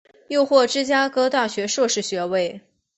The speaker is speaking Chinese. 又获芝加哥大学硕士学位。